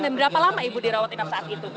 dan berapa lama ibu dirawat inap saat itu